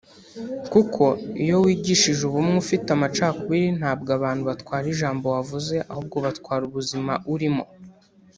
kuko iyo wigishije ubumwe ufite amacakubiri ntabwo abantu batwara ijambo wavuze ahubwo batwara ubuzima urimo